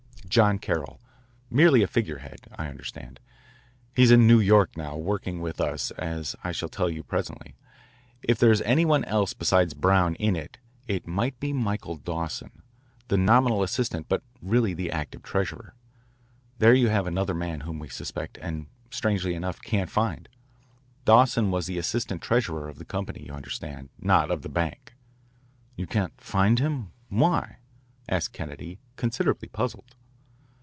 "John Carroll merely a figurehead, I understand. He's in New York now, working with us, as I shall tell you presently. If there is any one else besides Brown in it, it might be Michael Dawson, the nominal assistant but really the active treasurer. There you have another man whom we suspect, and, strangely enough, can't find. Dawson was the assistant treasurer of the company, you understand, not of the bank." "You can't find him? Why?" asked Kennedy, considerably puzzled.